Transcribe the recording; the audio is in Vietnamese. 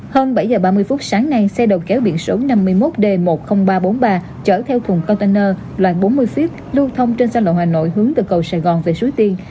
hơn bảy h ba mươi phút sáng nay xe đầu kéo biển số năm mươi một d một mươi nghìn ba trăm bốn mươi ba chở theo thùng container loại bốn mươi feet lưu thông trên xa lộ hà nội hướng từ cầu sài gòn về suối tiên